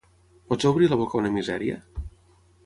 Pots obrir la boca una misèria?